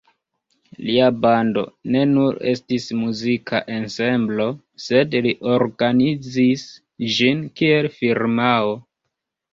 Lia bando ne nur estis muzika ensemblo, sed li organizis ĝin kiel firmao.